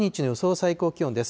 最高気温です。